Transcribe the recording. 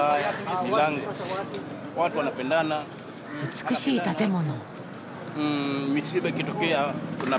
美しい建物。